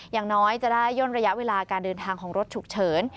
อย่างน้อยจะได้ย่นระยะเวลาการเดินทางของรถฉุกเฉิน